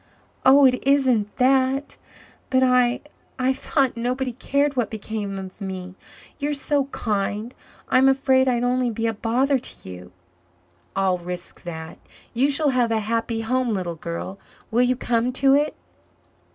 "Oh, it isn't that but I I thought nobody cared what became of me. You are so kind I'm afraid I'd only be a bother to you...." "I'll risk that. You shall have a happy home, little girl. Will you come to it?"